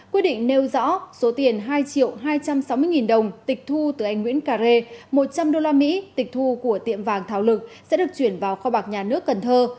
quyết định nêu rõ số tiền hai triệu hai trăm sáu mươi nghìn đồng tịch thu từ anh nguyễn cà rê một trăm linh usd tịch thu của tiệm vàng thảo lực sẽ được chuyển vào kho bạc nhà nước cần thơ